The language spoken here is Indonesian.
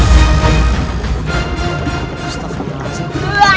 rakan tolong rakan